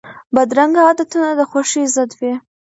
بدرنګه عادتونه د خوښۍ ضد وي